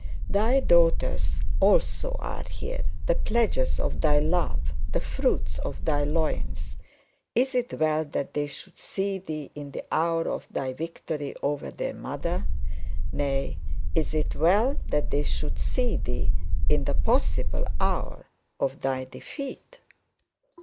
Thy daughters also are here, the pledges of thy love, the fruits of thy loins; is it well that they should see thee in the hour of thy victory over their mother? Nay, is it well that they should see thee in the possible hour of thy defeat?